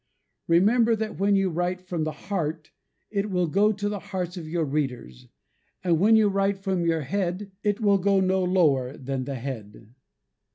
Remember that when you write from the heart, it will go to the hearts of your readers: and when you write from your head it will go no lower than the head.